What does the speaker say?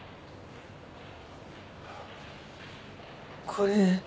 これ。